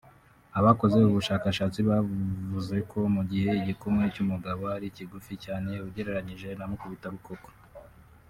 Abakoze ubu bushakashatsi bavuze ko mu gihe igikumwe cy’umugabo ari kigufi cyane ugereranije na mukibitarukoko